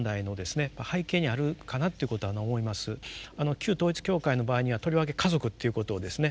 旧統一教会の場合にはとりわけ家族ということをですね